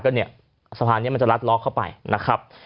ก็เนี่ยสะพานนี้มันจะลัดล็อกเข้าไปนะครับ